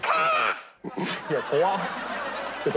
いや怖っ！